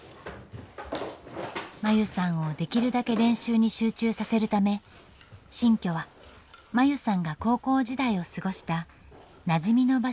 真優さんをできるだけ練習に集中させるため新居は真優さんが高校時代を過ごしたなじみの場所を選びました。